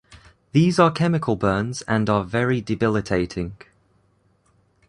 These are chemical burns and are very debilitating.